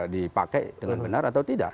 dipakai dengan benar atau tidak